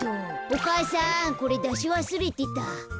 お母さんこれだしわすれてた。